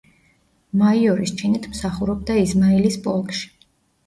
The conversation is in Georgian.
მაიორის ჩინით მსახურობდა იზმაილის პოლკში.